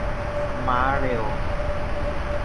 ม้าเร็ว